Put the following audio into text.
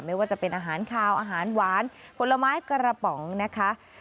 ไม่ว่าจะเป็นอาหารคาวอาหารหวานผลไม้กระป๋องนะคะ